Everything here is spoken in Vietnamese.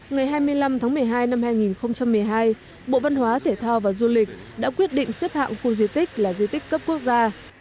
ngày hai mươi năm tháng một mươi hai năm hai nghìn một mươi hai bộ văn hóa thể thao và du lịch đã quyết định xếp hạng khu di tích là di tích cấp quốc gia